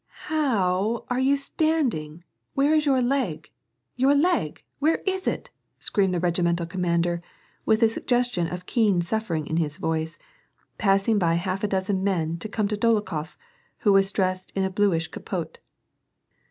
" H o o o ow are you standing ? Where is your leg ? Your leg ! where is it ?" screamed the regimental commander, with a sug gestion of keen suffering in his voice, passing by half a dozen men to come to Dolokhof, who was dressed in a bluish capote.